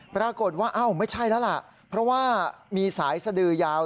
ปรากฏว่าอ้าวไม่ใช่แล้วล่ะเพราะว่ามีสายสดือยาว